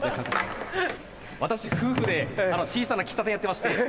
私夫婦で小さな喫茶店やってまして。